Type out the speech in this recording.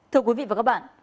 thưa quý vị và các bạn